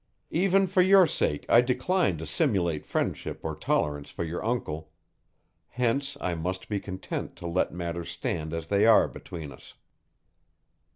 "Even for your sake, I decline to simulate friendship or tolerance for your uncle; hence I must be content to let matters stand as they are between us."